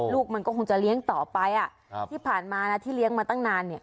มันก็คงจะเลี้ยงต่อไปที่ผ่านมานะที่เลี้ยงมาตั้งนานเนี่ย